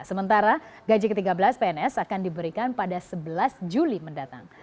sementara gaji ke tiga belas pns akan diberikan pada sebelas juli mendatang